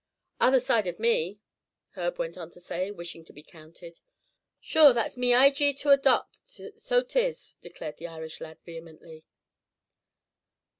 "Other side of me," Herb went on to say, wishing to be counted. "Sure, that's me ijee to a dot, so 'tis," declared the Irish lad, vehemently.